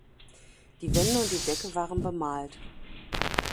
Die Wände und die Decke waren bemalt.